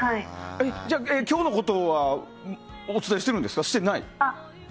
じゃあ、今日のことはお伝えしてるんですか？